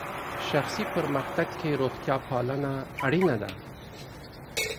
شخصي پرمختګ کې روغتیا پالنه اړینه ده.